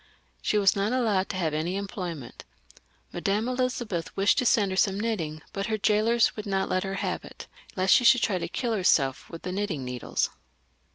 She was not allowed to have any employment. Madame Elizabeth wished to send her some knitting, but her jailors would not let her have it, lest she should try to kiU herself with the knitting needles.